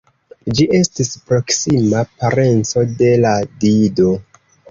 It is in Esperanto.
Ĝi estis proksima parenco de la Dido.